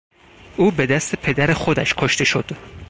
او به دست پدر خودش کشته شد.